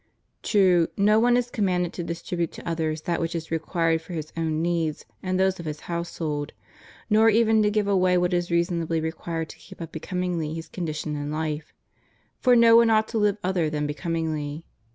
^ True, no one is com manded to distribute to others that which is required for his own needs and those of his household; nor even to give away what is reasonably required to keep up becom ingly his condition in life; " for no one ought to live other than becomingly."